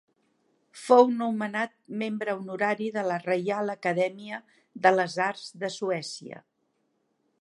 Fou nomenat Membre Honorari de la Reial Acadèmia de les Arts de Suècia.